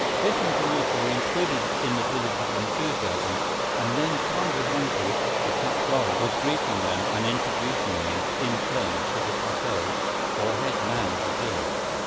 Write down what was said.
Biff and Kamuka were included in the villagers' enthusiasm, and then Chandra's uncle, the patwari, was greeting them and introducing them, in turn, to the patel, or head man of the village.